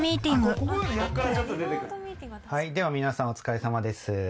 はいでは皆さんお疲れさまです。